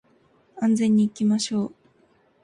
安全に行きましょう